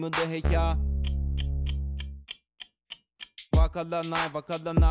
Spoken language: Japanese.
わからないわからない。